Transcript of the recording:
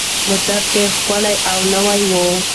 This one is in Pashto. موټر ډېر ښکلی او نوی و.